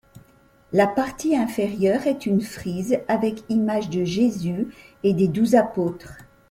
La partie inférieure est une frise avec images de Jésus et des douze apôtres.